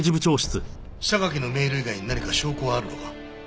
榊のメール以外に何か証拠はあるのか？